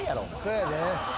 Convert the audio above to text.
そやで。